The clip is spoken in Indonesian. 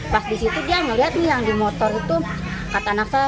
pas di situ dia melihat nih yang di motor itu kata nafas